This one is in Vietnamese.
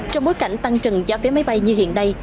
trong bối cảnh tăng trần giá vé máy bay như hiện nay